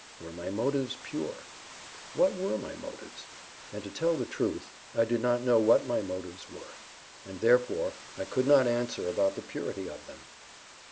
"Were my motives pure?" "What were my motives?" And, to tell the truth, I did not know what my motives were, and therefore I could not answer about the purity of them.